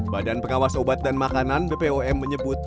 badan pengawas obat dan makanan bpom menyebut